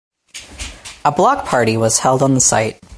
A block party was held on the site.